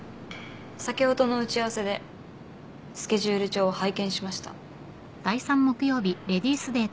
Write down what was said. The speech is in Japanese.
さきほどの打ち合わせでスケジュール帳を拝見しました。